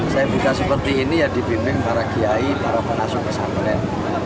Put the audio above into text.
saya buka seperti ini ya dibimbing para kiai para pengasuh pesantren